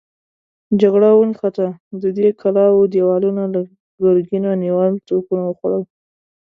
جګړه ونښته، د دې کلاوو دېوالونه له ګرګينه نيولو توپونو وخوړل.